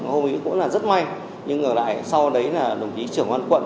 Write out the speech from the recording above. hôm ấy cũng là rất may nhưng ngờ lại sau đấy là đồng chí trưởng an quận